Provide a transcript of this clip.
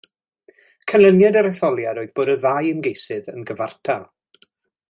Canlyniad yr etholiad oedd bod y ddau ymgeisydd yn gyfartal.